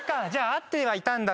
合ってはいたんだ